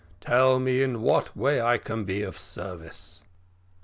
Tell me in what way I can be of service."